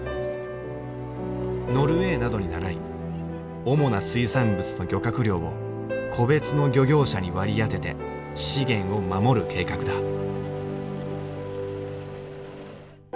ノルウェーなどにならい主な水産物の漁獲量を個別の漁業者に割り当てて資源を守る計画だ。